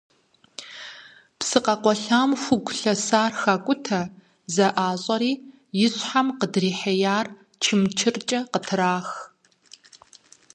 Псы къэкъуалъэм хугу лъэсар хакIутэ, зэIащIэри и щхьэм къыдрихьеяр чымчыркIэ къытрах.